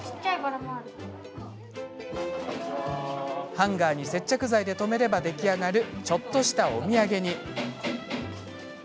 ハンガーに接着剤で留めれば出来上がる、ちょっとしたお土産。